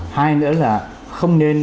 hai nữa là không nên